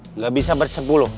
enggak bisa bersepuluh